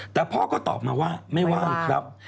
แต่พ่อก็ตอบมาว่าไม่ว่างครับ